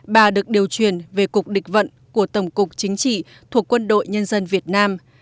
bà được điều truyền về cục địch vận của tổng cục chính trị thuộc quân đội nhân dân việt nam